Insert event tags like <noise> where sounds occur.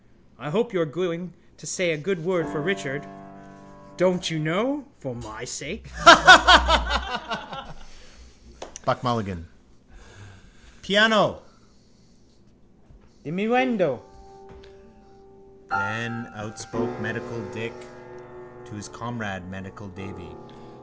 I hope you are going to say a good word for Richard, don't you know, for my sake. <laughs> BUCKMULLIGAN: (Piano, diminuendo) Then outspoke medical Dick To his comrade medical Davy...